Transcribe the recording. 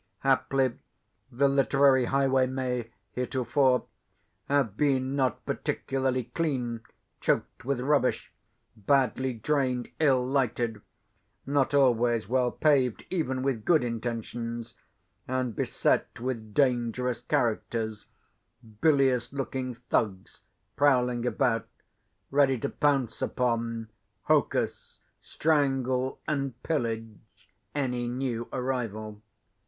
Haply, the literary highway may, heretofore, have been not particularly clean, choked with rubbish, badly drained, ill lighted, not always well paved even with good intentions, and beset with dangerous characters, bilious looking Thugs, prowling about, ready to pounce upon, hocus, strangle, and pillage any new arrival.